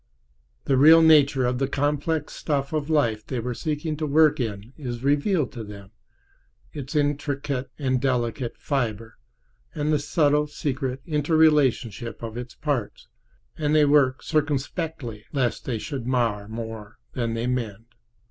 The real nature of the complex stuff of life they were seeking to work in is revealed to them—its intricate and delicate fiber, and the subtle, secret interrelationship of its parts—and they work circumspectly, lest they should mar more than they mend.